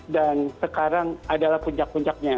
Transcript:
dan sekarang adalah puncak puncaknya